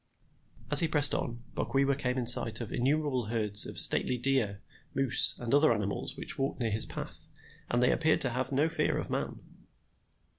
As he pressed on, Bok wewa came in sight of innumerable herds of stately deer, moose, and other animals which walked near his path, and they appeared to have no fear of man.